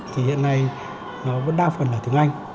thì hiện nay nó vẫn đa phần là tiếng anh